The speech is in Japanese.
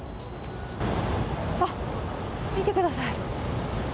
あっ、見てください。